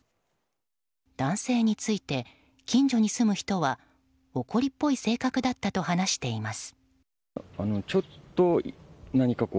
男性について、近所に住む人は怒りっぽい性格だったと話しています。